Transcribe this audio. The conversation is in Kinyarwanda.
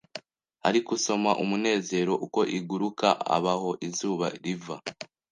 Ariko usoma umunezero uko iguruka Abaho izuba riva